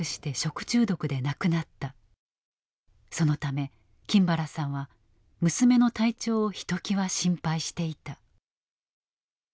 そのため金原さんは娘の体調をひときわ心配していた。